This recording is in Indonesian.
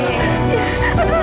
aduh aku mati